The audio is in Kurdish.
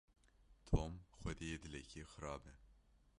Tom xwediyê dilekî xirab e.